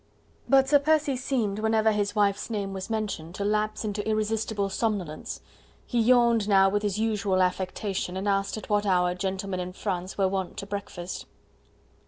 But Sir Percy seemed, whenever his wife's name was mentioned, to lapse into irresistible somnolence. He yawned now with his usual affectation, and asked at what hour gentlemen in France were wont to breakfast.